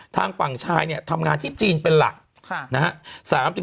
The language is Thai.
ทางฝั่งชายเนี่ยทำงานที่จีนเป็นหลักนะฮะ